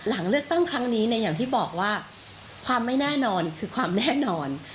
หลังเลือกตั้งครั้งนี้เนี่ยอย่างที่บอกว่าความไม่แน่นอนคือความแน่นอน